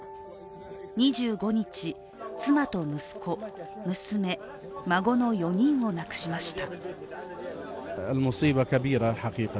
２５日、妻と息子、娘、孫の４人を亡くしました。